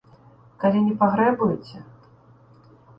— Калі не пагрэбуеце…